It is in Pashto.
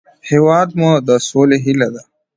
هېواد مو د سولې هیله ده